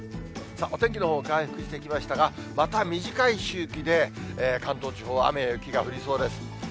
お天気のほう、回復してきましたが、また短い周期で、関東地方は雨や雪が降りそうです。